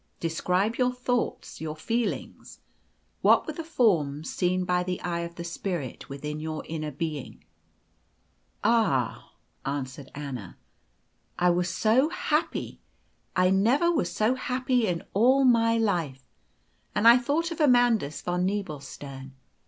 Describe your thoughts, your feelings? What were the forms seen by the eye of the spirit within your inner being?" "Ah!" answered Anna, "I was so happy; I never was so happy in all my life. And I thought of Amandus von Nebelstern.